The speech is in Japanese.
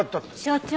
所長。